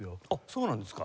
そうなんですか？